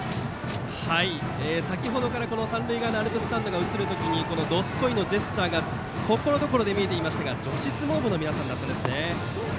先程から三塁側のアルプススタンドが映るたびにどすこいのジェスチャーがところどころで見えていますが女子相撲部の皆さんだったんですね。